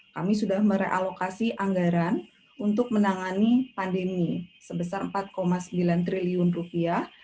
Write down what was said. kami sudah merealokasi anggaran untuk menangani pandemi sebesar empat sembilan triliun rupiah